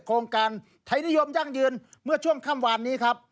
โครงการไทยนิยมยั่งยืนเมื่อช่วงค่ำวานนี้ครับ